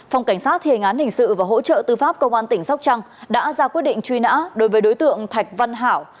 phòng cảnh sát thề ngán hình sự và hỗ trợ tư pháp công an tỉnh sóc trăng đã ra quyết định truy nã đối với đối tượng thạch văn hảo